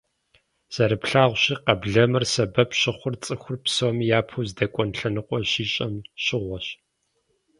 Зэрыплъагъущи, къэблэмэр сэбэп щыхъур цӀыхур псом япэу здэкӀуэну лъэныкъуэр щищӀэм щыгъуэщ.